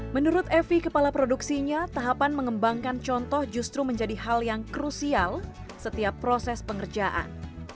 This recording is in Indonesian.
menurut evi kepala produksinya tahapan mengembangkan contoh justru menjadi hal yang krusial setiap proses pengerjaan